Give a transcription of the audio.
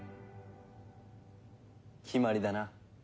決まりだな。